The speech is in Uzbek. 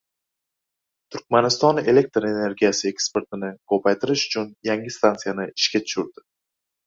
Turkmaniston elektr energiyasi eksportini ko‘paytirish uchun yangi stansiyani ishga tushirdi